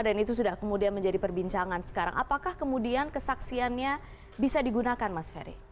dan itu sudah kemudian menjadi perbincangan sekarang apakah kemudian kesaksiannya bisa digunakan mas ferry